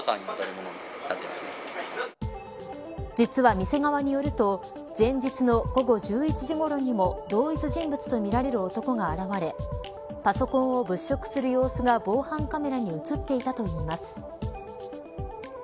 実は店側によると前日の午後１１時ごろにも同一人物とみられる男が現れパソコンを物色する様子が防犯カメラに映っていたといいます。